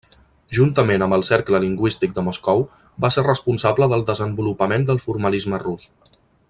Juntament amb el Cercle Lingüístic de Moscou, va ser responsable del desenvolupament del formalisme rus.